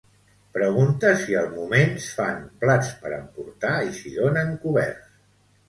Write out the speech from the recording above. Pregunta si al Moments fan plats per emportar i si donen coberts.